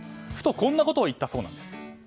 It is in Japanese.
こんなことを言ったそうなんです。